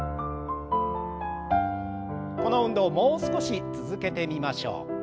この運動をもう少し続けてみましょう。